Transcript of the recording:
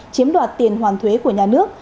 chiếm đoạt tiền hoàn thuế của nhà nước